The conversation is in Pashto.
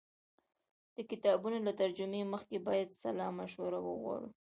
د کتابونو له ترجمې مخکې باید سلا مشوره وغواړو.